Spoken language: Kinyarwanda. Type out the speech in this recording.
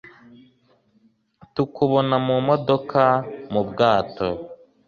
Tukubona mu modoka, mu bwato,